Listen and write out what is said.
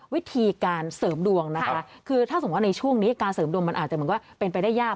วิธีการเสริมดวงคือถ้าสมมติในช่วงนี้การเสริมดวงมันอาจจะเป็นไปได้ยาก